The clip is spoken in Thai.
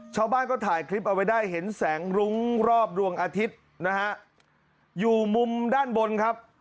ชาวบ้านก็ถ่ายคลิปเอาไว้ได้เห็นแสงรุ้งรอบดวงอาทิตย์นะฮะอยู่มุมด้านบนครับ